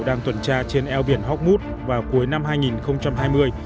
đang tuần tra trên eo biển hockmood vào cuối năm hai nghìn hai mươi